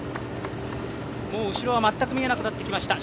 もう後ろは全く見えなくなってました